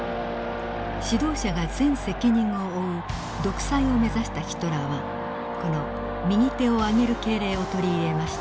指導者が全責任を負う独裁を目指したヒトラーはこの右手を上げる敬礼を取り入れました。